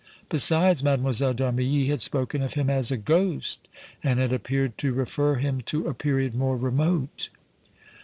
Besides, Mlle. d' Armilly had spoken of him as a ghost and had appeared to refer him to a period more remote.